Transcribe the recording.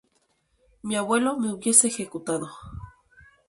Mi abuelo me hubiese ejecutado"—.